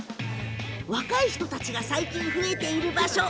若い人たちが最近、増えている場所